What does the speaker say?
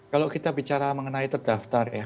kalau kita bicara mengenai terdaftar ya